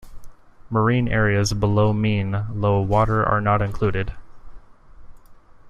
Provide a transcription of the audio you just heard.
Marine areas below mean low water are not included.